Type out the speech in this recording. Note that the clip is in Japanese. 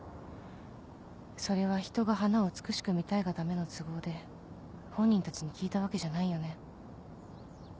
それは人が花を美しく見たいがための都合で本人たちに聞いたわけじゃないよね。